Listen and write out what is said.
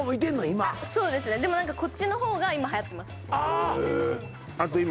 今そうですねでもなんかこっちのほうが今はやってます